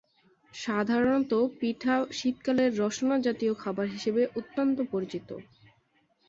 সাধারণতঃ পিঠা শীতকালের রসনাজাতীয় খাবার হিসেবে অত্যন্ত পরিচিত।